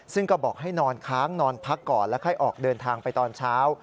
ซึ่งก็บอกให้นอนค้างนอนพักก่อนแล้วค่อยออกเดินทางไปตอนเช้า